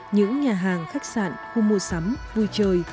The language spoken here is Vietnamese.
những nhà hàng khách sạn khu mua sắm vui chơi